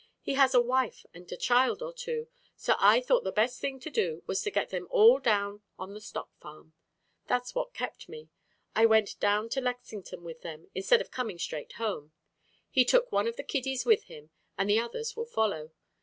He has a wife and a child or two, so I thought the best thing to do was to get them all down on the stock farm. That's what kept me. I went down to Lexington with them instead of coming straight home. He took one of the kiddies with him, and the others will follow.